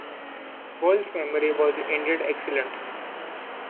Boyle's memory was indeed excellent.